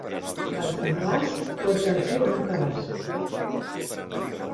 Els de Navàs, tots al riu en un cabàs.